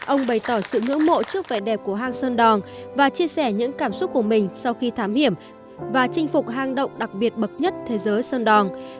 ông bày tỏ sự ngưỡng mộ trước vẻ đẹp của hang sơn đòn và chia sẻ những cảm xúc của mình sau khi thám hiểm và chinh phục hang động đặc biệt bậc nhất thế giới sơn đòn